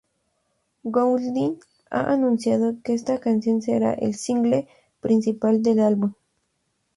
Goulding ha anunciado que esta canción será el single principal del álbum.